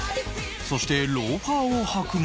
そしてローファーを履くも